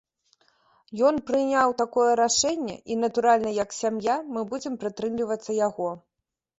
Ён прыняў такое рашэнне, і натуральна, як сям'я, мы будзем прытрымлівацца яго.